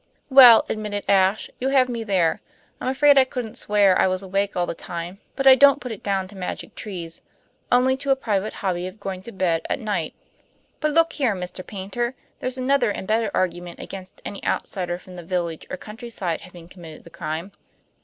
"Well," admitted Ashe, "you have me there too. I'm afraid I couldn't swear I was awake all the time; but I don't put it down to magic trees only to a private hobby of going to bed at night. But look here, Mr. Paynter; there's another and better argument against any outsider from the village or countryside having committed the crime.